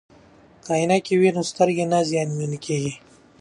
که عینکې وي نو سترګې نه زیانمن کیږي.